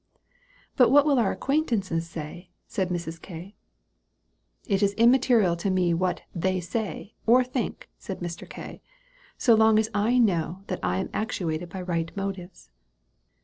"But what will our acquaintances say?" said Mrs. K. "It is immaterial to me what 'they say' or think," said Mr. K., "so long as I know that I am actuated by right motives."